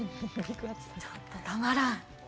ちょっとたまらん。